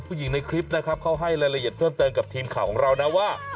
ในคลิปนะครับเขาให้รายละเอียดเพิ่มเติมกับทีมข่าวของเรานะว่า